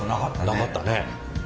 なかったね。